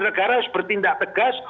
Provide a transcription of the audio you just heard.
negara harus bertindak tegas